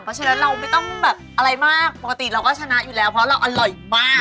เพราะฉะนั้นเราไม่ต้องแบบอะไรมากปกติเราก็ชนะอยู่แล้วเพราะเราอร่อยมาก